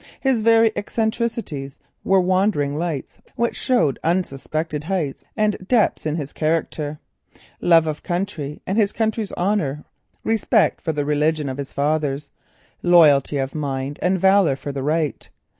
His very eccentricities were wandering lights that showed unsuspected heights and depths in his character—love of country and his country's honour, respect for the religion of his fathers, loyalty of mind and valour for the right.